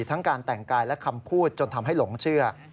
ทั้งการแต่งกายและคำพูดจนทำให้หลงเชื่อ